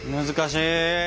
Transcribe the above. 難しい。